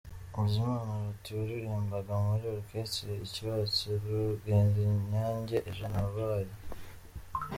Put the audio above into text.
Bizimana Lotti waririmbaga muri Orchestre ikibatsi, Rugerinyange Eugène wabaye.